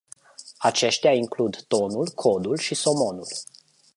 Aceștia includ tonul, codul și somonul.